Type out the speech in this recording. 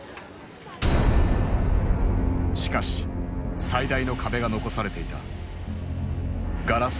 しかし最大の壁が残されていた。